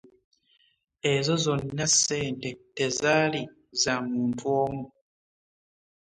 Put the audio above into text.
Ezo zonna ssente tezaali za muntu omu.